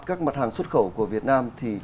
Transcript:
các mặt hàng xuất khẩu của việt nam